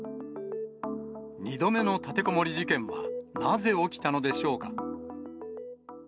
２度目の立てこもり事件は、なぜ起きたのでしょうか。